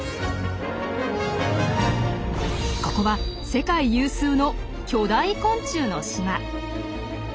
ここは世界有数の巨大昆虫の島。